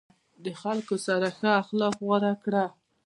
د خلکو سره ښه اخلاق غوره کړه.